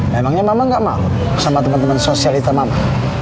memangnya mama gak mau sama temen temen sosialita mama